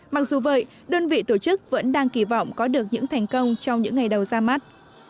mặc dù vậy đơn vị tổ chức vẫn đang kỳ vọng có được những thành công trong những ngày đầu ra mắt